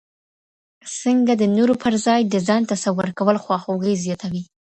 څنګه د نورو پر ځای د ځان تصور کول خواخوږي زیاتوي؟